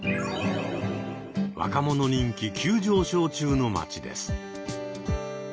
若者人気急上昇中の街です。